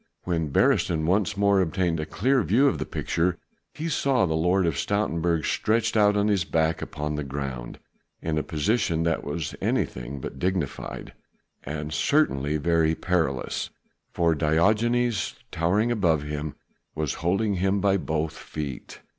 When Beresteyn once more obtained a clear view of the picture, he saw the Lord of Stoutenburg stretched out on his back upon the ground in a position that was anything but dignified and certainly very perilous, for Diogenes towering above him was holding him by both feet.